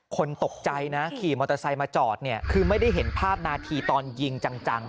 คนตกใจนะขี่มอเตอร์ไซค์มาจอดเนี่ยคือไม่ได้เห็นภาพนาทีตอนยิงจัง